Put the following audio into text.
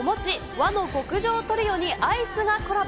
和の極上トリオにアイスがコラボ。